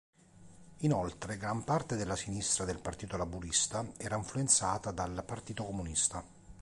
Inoltre gran parte della sinistra del Partito Laburista era influenzata dal Partito Comunista.